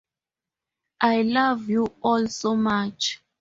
I love you all so much.